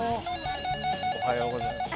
おはようございます。